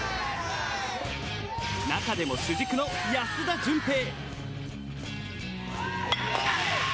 中でも主軸の安田純平。